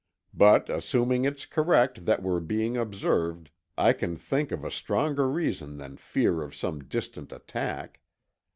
But assuming it's correct that we're being observed, I can think of a stronger reason than fear of some distant attack.